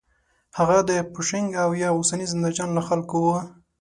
هغه د پوشنګ او یا اوسني زندهجان له خلکو و.